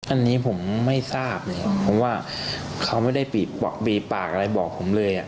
อันนี้ผมไม่ทราบเลยเพราะว่าเขาไม่ได้บีบปากอะไรบอกผมเลย